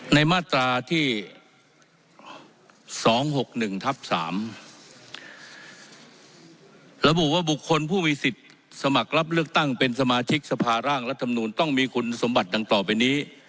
ในมาตราที่๒๖๑ทับ๓ระบุว่าบุคคลผู้มีสิทธิ์สมัครรับเลือกตั้งเป็นสมาชิกสภาร่างรัฐมนูลต้องมีคุณสมบัติดังต่อไปนี้